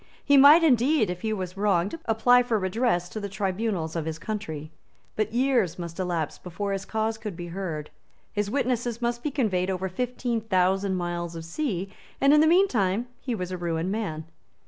He might indeed, if he was wronged, apply for redress to the tribunals of his country. But years must elapse before his cause could be heard; his witnesses must be conveyed over fifteen thousand miles of sea; and in the meantime he was a ruined man.